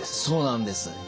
そうなんです。